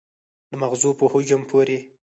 د مغزو په حجم پورې